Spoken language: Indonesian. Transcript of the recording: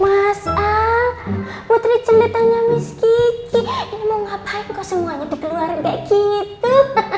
mas al putri celetanya miss kiki ini mau ngapain kok semuanya dikeluaran kayak gitu